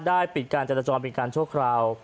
ได้ปิดการจราจรเป็นการโชคคราว